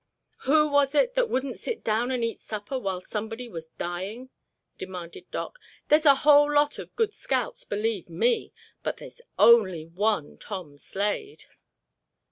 "Who was it that wouldn't sit down and eat supper while somebody was dying?" demanded Doc. "There's a whole lot of good scouts, believe me, but there's only one Tom Slade!"